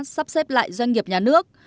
sắp xếp lại doanh nghiệp nhà nước